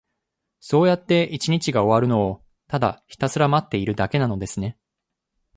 そうやって一日が終わるのを、ただひたすら待っているだけなのですね。